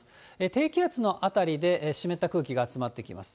低気圧の辺りで湿った空気が集まってきます。